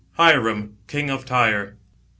12. HIRAM, KING OP TYEB.